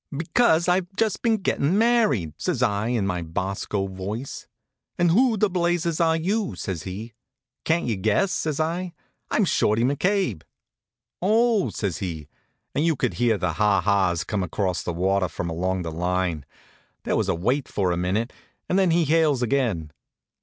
"Because I've just been gettin' married," says I, in my Bosco voice. "And who the blazes are you?" says he. "Can't you guess?" says I. "I'm Shorty McCabe." "Oh!" says he, and you could hear the ha ha's come across the water from all along the line. There was a wait for a minute, and then he hails again.